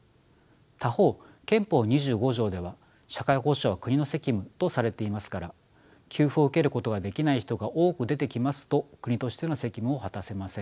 他方憲法２５条では社会保障は国の責務とされていますから給付を受けることができない人が多く出てきますと国としての責務を果たせません。